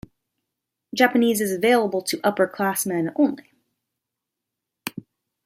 Japanese is available to upperclassmen only.